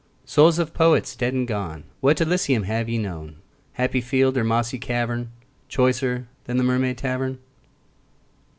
Souls of Poets dead and gone, What Elysium have ye known, Happy field or mossy cavern, Choicer than the Mermaid Tavern?